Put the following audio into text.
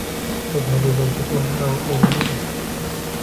تذهب زوجته معه أينما ذهب.